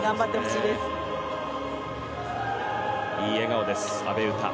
いい笑顔です、阿部詩。